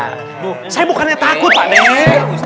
duh saya bukannya takut pak nek